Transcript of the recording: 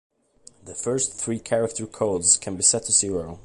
The first three character codes can be set to zero.